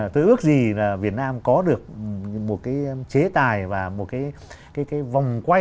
tôi ước gì là việt nam có được một cái chế tài và một cái vòng quay